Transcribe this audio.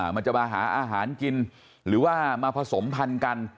มันจะมาหาอาหารกินหรือว่ามาผสมพันธุ์กัน